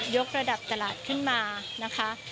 กระดับตลาดขึ้นมานะคะ